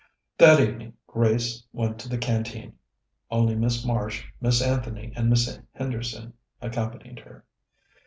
That evening Grace went to the Canteen. Only Miss Marsh, Miss Anthony, and Miss Henderson accompanied her.